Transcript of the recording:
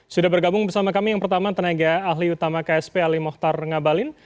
sudah bergabung bersama kami yang pertama tenaga ahli utama ksp ali mohtar ngabalin